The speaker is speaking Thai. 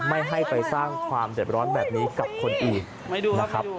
ไม่ให้ไปสร้างความเด็ดร้อนแบบนี้กับคนอื่นนะครับ